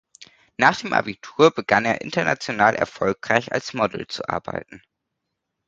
Nach dem Abitur begann er international erfolgreich als Model zu arbeiten.